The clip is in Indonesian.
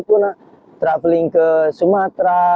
kemudian ke sumatera